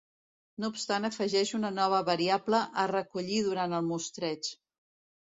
No obstant afegeix una nova variable a recollir durant el mostreig.